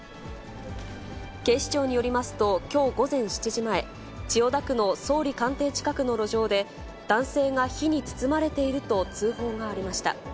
警視庁によりますと、きょう午前７時前、千代田区の総理官邸近くの路上で、男性が火に包まれていると通報がありました。